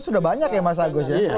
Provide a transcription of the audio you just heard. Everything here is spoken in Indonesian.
sudah banyak ya mas agus ya